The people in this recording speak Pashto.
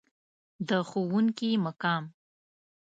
د ښوونکي مقام.